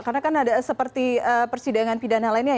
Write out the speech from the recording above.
karena kan ada seperti persidangan pidana lainnya